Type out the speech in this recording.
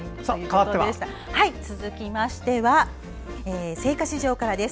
続きましては青果市場からです。